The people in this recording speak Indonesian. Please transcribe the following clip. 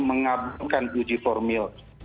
mengadakan uji formil